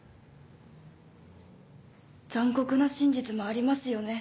残酷な真実もありますよね。